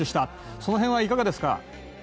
その辺はいかがですか？